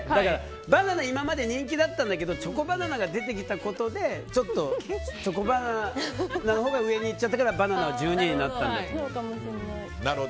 バナナ今まで人気だったんだけどチョコバナナが出てきたことでちょっとチョコバナナのほうが上にいっちゃったからバナナが１２位になったんだよね。